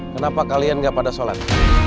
kenapa kalian gak pada sholat